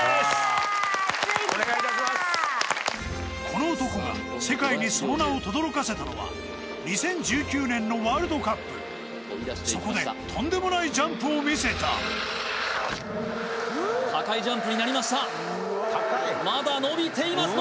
この男が世界にその名を轟かせたのは２０１９年のワールドカップそこでとんでもないジャンプを見せた高いジャンプになりましたまだ伸びています